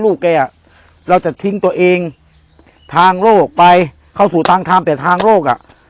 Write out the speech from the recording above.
แกอ่ะเราจะทิ้งตัวเองทางโรคไปเข้าสู่ทางทำแต่ทางโรคอ่ะ